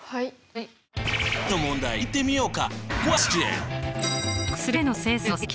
次の問題いってみようか。